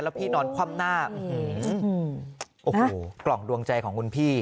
พี่นอนคว่ำหน้าโอ้โหกล่องดวงใจของคุณพี่